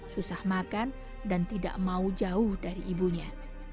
susah makan dan tidak mau jauh dari ibunya